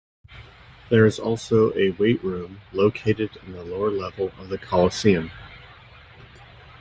There is also a weight room located in the lower level of the Coliseum.